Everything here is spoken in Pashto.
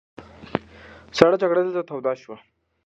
سړه جګړه دلته توده شوه.